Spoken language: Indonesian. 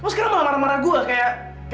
kamu sekarang malah marah marah gue kayak